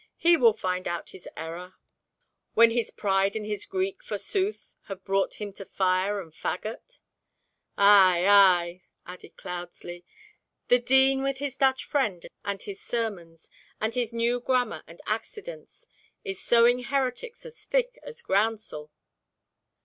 "He will find out his error when his pride and his Greek forsooth have brought him to fire and faggot." "Ay! ay!" added Cloudesley. "The Dean with his Dutch friend and his sermons, and his new grammar and accidence, is sowing heretics as thick as groundsel."